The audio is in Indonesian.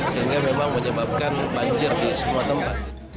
sehingga memang menyebabkan banjir di semua tempat